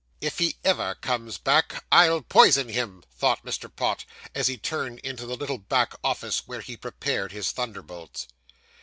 'If he ever comes back, I'll poison him,' thought Mr. Pott, as he turned into the little back office where he prepared his thunderbolts.